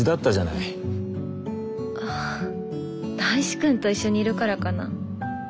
ああ大志くんと一緒にいるからかな。